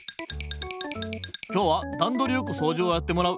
今日はダンドリよくそうじをやってもらう。